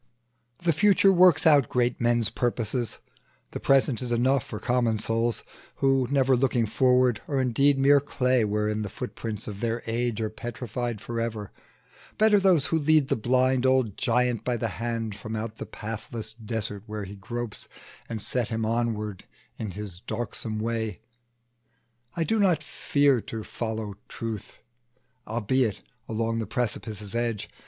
The future works out great men's destinies; The present is enough for common souls, Who, never looking forward, are indeed Mere clay, wherein the footprints of their age Are petrified forever: better those Who lead the blind old giant by the hand From out the pathless desert where he gropes, And set him onward in his darksome way. I do not fear to follow out the truth, Albeit along the precipice's edge.